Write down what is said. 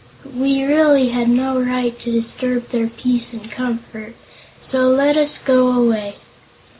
"We really had no right to disturb their peace and comfort; so let us go away."